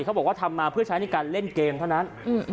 เขาบอกว่าทำมาเพื่อใช้ในการเล่นเกมเท่านั้น